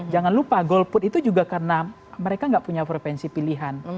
jangan lupa golput itu juga karena mereka nggak punya frevensi pilihan